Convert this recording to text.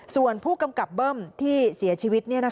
ส่วนผู้กำกับเบิ้มที่เสียชีวิต